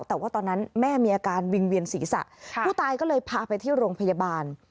แต่ว่าตอนนั้นแม่มีอาการวิ่งเวียนศีรษะผู้ตายก็เลยพาไปที่โรงพยาบาล